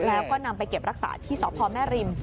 แล้วก็นำไปเก็บรักษาที่สพแม่ริม